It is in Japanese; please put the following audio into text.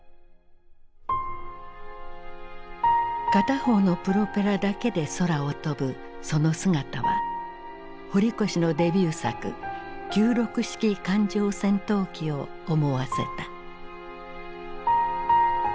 片方のプロペラだけで空を飛ぶその姿は堀越のデビュー作九六式艦上戦闘機を思わせた。